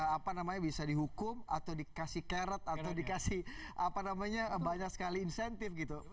apa namanya bisa dihukum atau dikasih carrot atau dikasih apa namanya banyak sekali insentif gitu